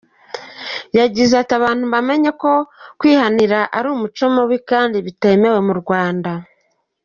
Yagize ati “Abantu bamenye ko kwihanira ari umuco mubi kandi bitemewe mu Rwanda.